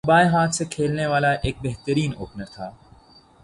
وہ بائیں ہاتھ سےکھیلنے والا ایک بہترین اوپنر تھا